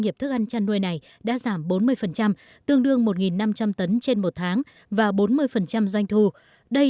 nghiệp thức ăn chăn nuôi này đã giảm bốn mươi tương đương một năm trăm linh tấn trên một tháng và bốn mươi doanh thu đây